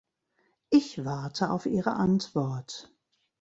Ich warte auf Ihre Antwort.